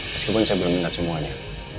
meskipun saya belum melihat semuanya